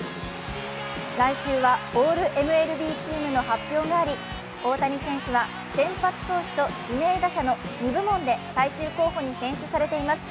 来週はオールＭＬＢチームの発表があり、大谷選手は先発投手と指名打者の２部門で最終候補に選出されています。